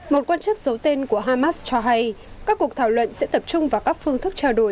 một quan chức giấu tên của hamas cho hay các cuộc thảo luận sẽ tập trung vào các phương thức trao đổi